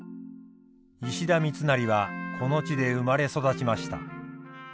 石田三成はこの地で生まれ育ちました。